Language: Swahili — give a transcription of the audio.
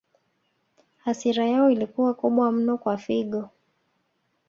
Hasira yao ilikuwa kubwa mno kwa Figo